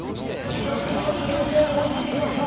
一つ一つ冷静に追いついてきました！